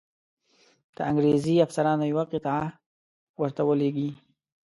د انګرېزي افسرانو یوه قطعه ورته ولیږي.